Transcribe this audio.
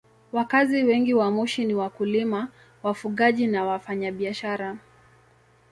Wakazi wengi wa Moshi ni wakulima, wafugaji na wafanyabiashara.